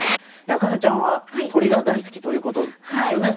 明音ちゃんは鳥が大好きということなんですよね？